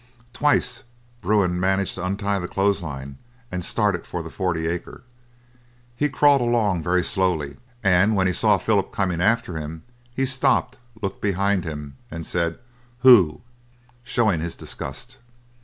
Twice Bruin managed to untie the clothes line and started for the forty acre. He crawled along very slowly, and when he saw Philip coming after him, he stopped, looked behind him, and said, "Hoo," showing his disgust.